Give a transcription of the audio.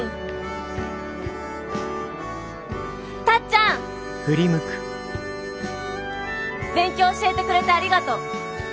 タッちゃん！勉強教えてくれてありがとう！